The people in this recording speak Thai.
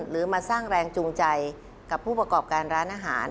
หรือมาสร้างแรงจูงใจกับผู้ประกอบการร้านอาหาร